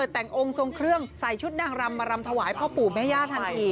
แต่งองค์ทรงเครื่องใส่ชุดนางรำมารำถวายพ่อปู่แม่ย่าทันที